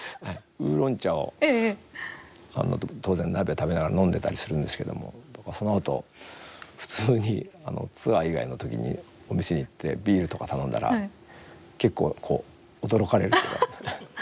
ウーロン茶を当然鍋食べながら飲んでたりするんですけどもそのあと普通にツアー以外の時にお店に行ってビールとか頼んだら結構こう、驚かれるとか。